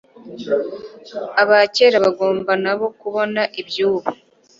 aba kera bagomba nabo kubona iby'ubu